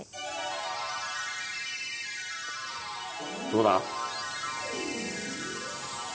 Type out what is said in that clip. どうだ？